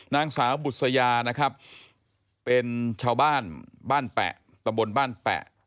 นางสาวบุษยานะครับเป็นชาวบ้านบ้านแปะตะบนบ้านแปะ